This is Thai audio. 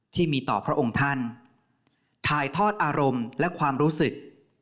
ที่มีต่อพระองค์ท่านถ่ายทอดอารมณ์และความรู้สึก